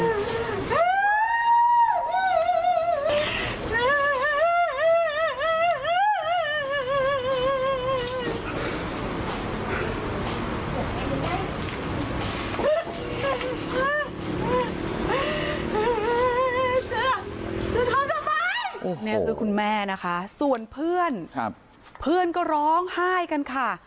เจอจะทำอะไรเนี้ยคุณแม่นะคะส่วนเพื่อนครับเพื่อนก็ร้องไห้กันค่ะ